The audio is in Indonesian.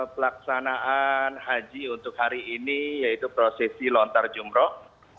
pelaksanaan haji untuk hari ini yaitu prosesi lontar jumroh